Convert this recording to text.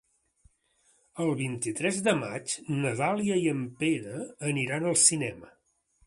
El vint-i-tres de maig na Dàlia i en Pere aniran al cinema.